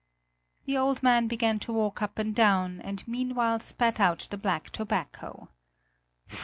The old man began to walk up and down, and meanwhile spat out the black tobacco.